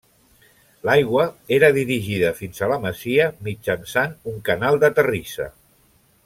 L'aigua era dirigida fins a la masia mitjançant un canal de terrissa.